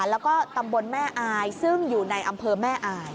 แล้วก็ตำบลแม่อายซึ่งอยู่ในอำเภอแม่อาย